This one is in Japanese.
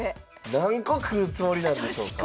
何個食うつもりなんでしょうか。